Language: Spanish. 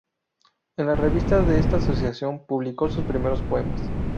En la revista de esta asociación publicó sus primeros poemas.